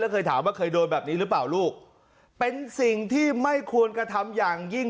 เคยถามว่าเคยโดนแบบนี้หรือเปล่าลูกเป็นสิ่งที่ไม่ควรกระทำอย่างยิ่ง